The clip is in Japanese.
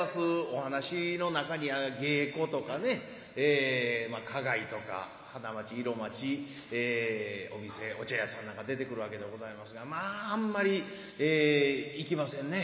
お噺の中には芸子とかね花街とか花街色街お店お茶屋さんなんか出てくるわけでございますがまああんまり行きませんね。